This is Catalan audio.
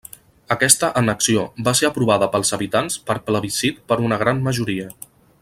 Aquesta annexió va ser aprovada pels habitants per plebiscit per una gran majoria.